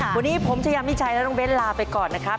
วันนี้ผมชายามิชัยและน้องเบ้นลาไปก่อนนะครับ